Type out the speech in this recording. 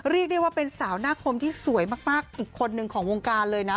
เรียกได้ว่าเป็นสาวหน้าคมที่สวยมากอีกคนนึงของวงการเลยนะ